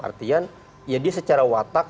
artian ya dia secara watak